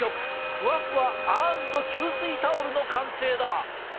ふわふわ＆吸水タオルの完成だ！